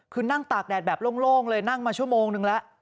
คือนั่งตากแดดแบบโล่งเลยนั่งมาชั่วโมงนึงแล้ว